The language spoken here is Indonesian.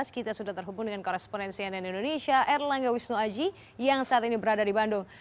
kita sudah terhubung dengan koresponen cnn indonesia erlangga wisnu aji yang saat ini berada di bandung